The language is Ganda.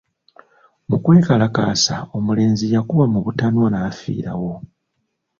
Mu kwekalakaasa omulenzi yakubwa mu butanwa n'afiirawo.